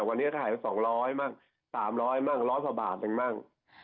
วันนี้ก็ขายสองร้อยมั่งสามร้อยมั่งร้อยพอบาทนึงมั่ง